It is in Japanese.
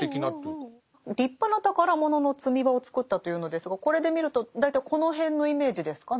立派な宝物の積場を作ったというのですがこれで見ると大体この辺のイメージですか？